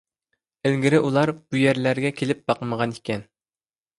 ئىلگىرى ئۇلار بۇ يەرلەرگە كېلىپ باقمىغانىكەن.